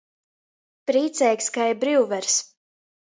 Prīceigs kai bryuvers.